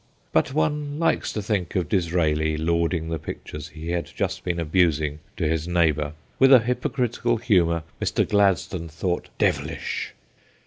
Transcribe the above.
But one likes to think of Disraeli lauding the pictures he had just been abusing to his neighbour, with a hypocritical humour Mr. OF BURLINGTON HOUSE 125 Gladstone thought ' devilish.'